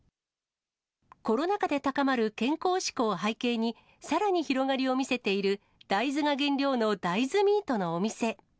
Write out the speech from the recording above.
コロナ禍で高まる健康志向を背景に、さらに広がりを見せている大豆が原料の大豆ミートのお店。